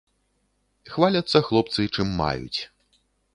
Хваляцца хлопцы чым маюць.